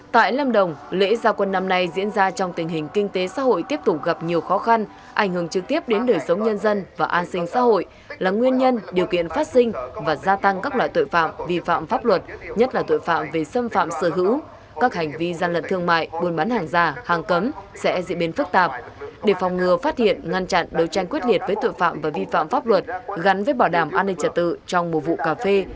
tại lâm đồng lễ gia quân năm nay diễn ra trong tình hình kinh tế xã hội tiếp tục gặp nhiều khó khăn ảnh hưởng trực tiếp đến đời sống nhân dân và an sinh xã hội là nguyên nhân điều kiện phát sinh và gia tăng các loại tuệ phạm vi phạm pháp luật nhất là tuệ phạm về xâm phạm sở hữu các hành vi gian lận thương mại buôn bán hàng già hàng cấm sẽ diễn biến phức tạp để phòng ngừa phát hiện ngăn chặn đấu tranh quyết liệt với tuệ phạm và vi phạm pháp luật gắn với bảo đảm an ninh trật tự trong mùa vụ cà phê